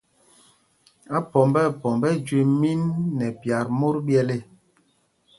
Aphɔmb nɛ phɔmb ɛ jüe mín nɛ pyat mot ɓyɛl ê.